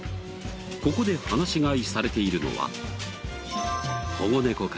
ここで放し飼いされているのは。